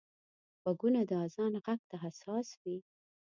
غوږونه د اذان غږ ته حساس وي